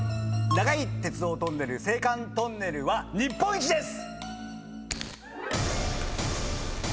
長い鉄道トンネル青函トンネルは日本一です。